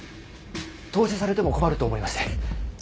凍死されても困ると思いまして。